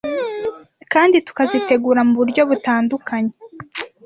kandi tukazitegura mu buryo butandukanye